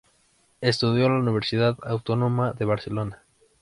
Estudió en la Universidad Autónoma de Barcelona.